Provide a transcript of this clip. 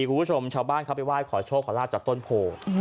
คุณผู้ชมชาวบ้านเขาไปไหว้ขอโชคขอลาบจากต้นโพ